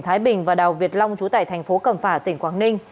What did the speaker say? thái bình và đào việt long chú tại thành phố cẩm phả tỉnh quảng ninh